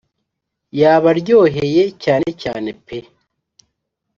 yabaryoheye cyane cyane pe